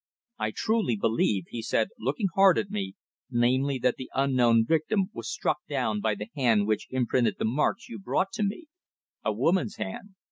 I truly believe," he said, looking hard at me, "namely that the unknown victim was struck down by the hand which imprinted the marks you brought to me a woman's hand.